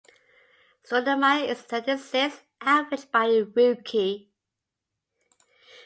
Stoudamire is third in assist average by a rookie.